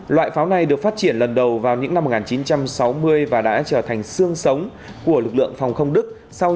loại pháo này được phát triển lần đầu vào những năm một nghìn chín trăm sáu mươi và đã trở thành xương sống của lực lượng phòng không đức